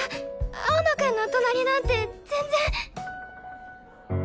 青野くんの隣なんて全然！